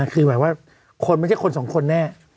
คือหมายว่าคนไม่ใช่คนสองคนแน่